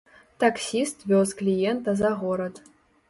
Таксіст вёз кліента за горад.